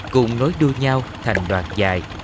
cùng nối đua nhau thành đoàn dài